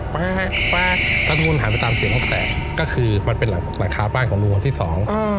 แล้วทุกคนหันไปตามเสียงนกแสกก็คือมันเป็นหลังคาบ้านของลูงคนที่สอง